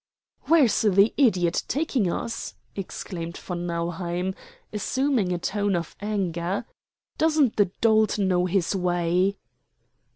"Where's the idiot taking us?" exclaimed von Nauheim, assuming a tone of anger. "Doesn't the dolt know his way?"